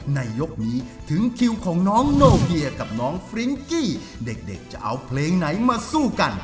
ในยกนี้ถึงคิวของน้องโนเบียกับน้องฟริ้งกี้เด็กจะเอาเพลงไหนมาสู้กัน